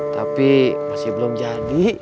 tapi masih belum jadi